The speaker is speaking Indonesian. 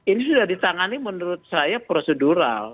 ini sudah ditangani menurut saya prosedural